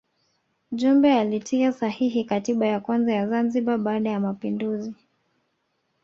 Jumbe alitia sahihi katiba ya kwanza ya Zanzibar baada ya mapinduzi